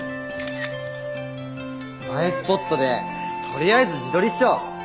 映えスポットでとりあえず自撮りっしょ。